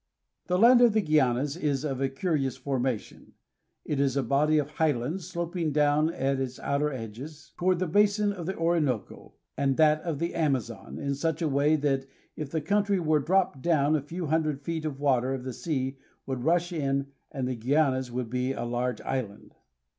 The land of the Guianas is of a curious formation. It is a body of highlands, sloping down at its outer edges toward the basin of the Orinoco and that of the Amazon' in such a way that if the country were dropped down a few hundred feet the water of the sea would rush in and the Guianas would be a large island.